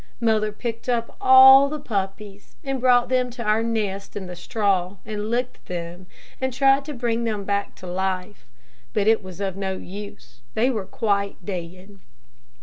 Mother picked up all the puppies and brought them to our nest in the straw and licked them, and tried to bring them back to life; but it was of no use; they were quite dead.